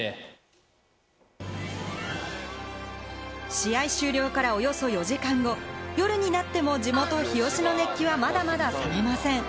試合終了からおよそ４時間後、夜になっても地元・日吉の熱気はまだまだ冷めません。